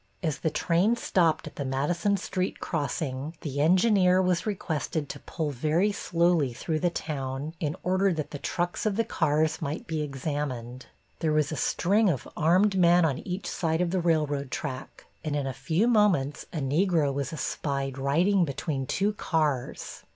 As the train stopped at the Madison Street crossing the engineer was requested to pull very slowly through the town, in order that the trucks of the cars might be examined. There was a string of armed men on each side of the railroad track and in a few moments a Negro was espied riding between two cars.